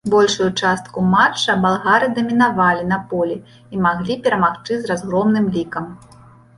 Большую частку матча балгары дамінавалі на полі і маглі перамагчы з разгромным лікам.